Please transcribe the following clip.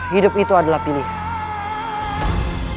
hidup itu adalah pilihan